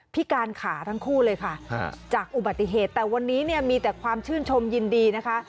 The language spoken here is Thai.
พิการขาทั้งคู่เลยค่ะจากอุบัติเหตุแต่วันนี้เนี่ยมีแต่ความชื่นชมยินดีนะคะ